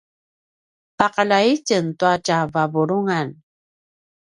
paqaljay itjen tua tja vavulungan